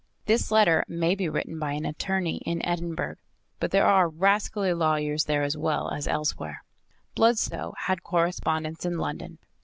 "This letter may be written by an attorney in Edinburgh; but there are rascally lawyers there as well as elsewhere. Bludsoe had correspondents in London.